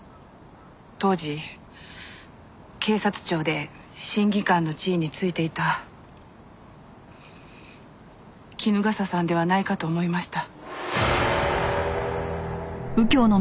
当時警察庁で審議官の地位に就いていた衣笠さんではないかと思いました。